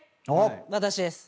私です。